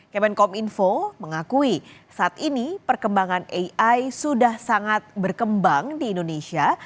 kemenkom info mengakui saat ini perkembangan ai sudah sangat berkembang di indonesia